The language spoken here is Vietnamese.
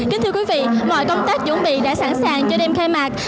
kính thưa quý vị mọi công tác chuẩn bị đã sẵn sàng cho đêm khai mạc